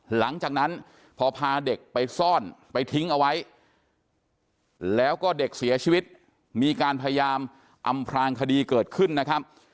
หลังจากนั้นพอพาเด็กไปซ่อนไปทิ้งเอาไว้แล้วก็เด็กเสียชีวิตมีการพยายามอำพลางคดีเกิดขึ้นนะครับ